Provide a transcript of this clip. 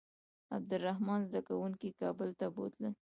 عبدالرحمن زده کوونکي کابل ته بوتلل.